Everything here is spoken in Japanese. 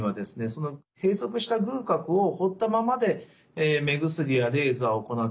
その閉塞した隅角を放ったままで目薬やレーザーを行ってもですね